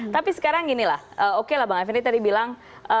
tapi sekarang inilah oke lah bang f eddy tadi bilang